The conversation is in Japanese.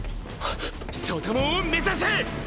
外門を目指せ！！